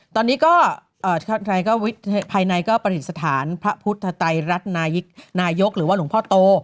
ตอนนี้ก็ภายในก็ประดิษฐานพระพุทธไตรรัฐนายกหรือว่าหลวงพ่อโต